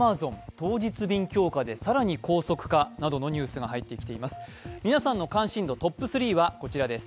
当日便強化で更に高速化などのニュースが入ってきています。